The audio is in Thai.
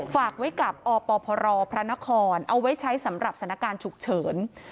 ฝากไว้กับอปพรพระนครเอาไว้ใช้สำหรับสถานการณ์ฉุกเฉิน